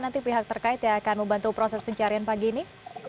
nanti pihak terkait yang akan membantu proses pencarian pagi ini